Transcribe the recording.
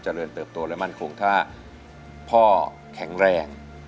เรินเติบโตและมั่นคงถ้าพ่อแข็งแรง